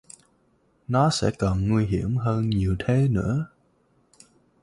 Nó sẽ còn nguy hiểm hơn nhiều thế nữa